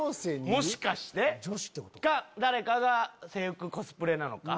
か誰かが制服コスプレなのか？